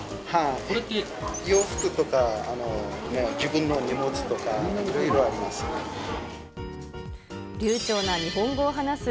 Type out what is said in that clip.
洋服とか、自分の荷物とか、いろいろあります。